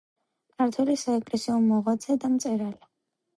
ქართველი საეკლესიო მოღვაწე და მწერალი.